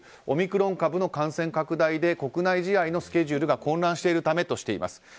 オミクロン株の感染拡大で国内試合のスケジュールが混乱しているためとしています。